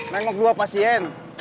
nengok dua pasien